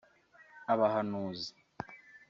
abahanuzi